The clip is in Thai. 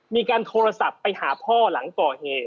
มีการโทรศัพท์ไปหาพ่อหลังก่อเหตุ